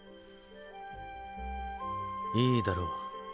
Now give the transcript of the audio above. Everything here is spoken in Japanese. いいだろう。